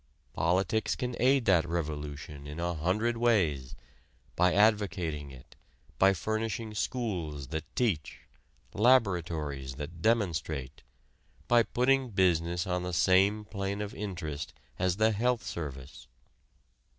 Politics can aid that revolution in a hundred Ways: by advocating it, by furnishing schools that teach, laboratories that demonstrate, by putting business on the same plane of interest as the Health Service.